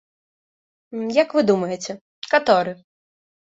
Як вы думаеце, каторы?